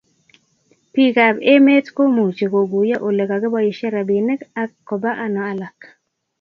piik ab emet ko muchi koguyo ole kakiboishe rabinik ak koba ano alak